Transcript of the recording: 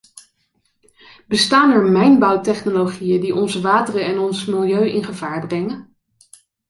Bestaan er mijnbouwtechnologieën die onze wateren en ons milieu in gevaar brengen?